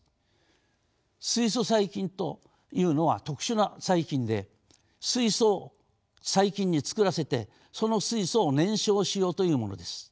水素細菌というのは特殊な細菌で水素を細菌につくらせてその水素を燃焼しようというものです。